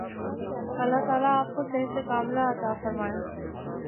اللہ تعالی آپ کو صحت ِکاملہ عطا فرمائے۔